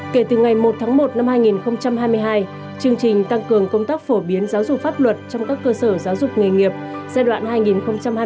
kể từ ngày một tháng một năm hai nghìn hai mươi hai chương trình tăng cường công tác phổ biến giáo dục pháp luật trong các cơ sở giáo dục nghề nghiệp